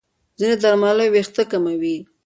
ځینې درملو وېښتې کموي.